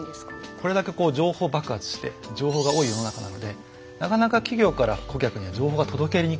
これだけ情報爆発して情報が多い世の中なのでなかなか企業から顧客には情報が届けにくいんですよ。